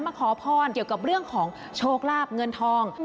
ขอพรเกี่ยวกับเรื่องของโชคลาบเงินทอง